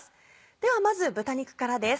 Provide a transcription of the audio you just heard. ではまず豚肉からです。